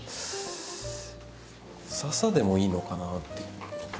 ササでもいいのかなっていう。